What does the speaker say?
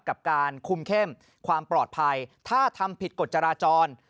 กับการคุมเข้มความปลอดภัยถ้าทำผิดกฎจราจร